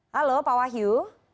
halo pak wahyu